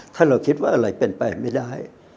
ถ้าเราคิดว่าอะไรเป็นไปไม่ได้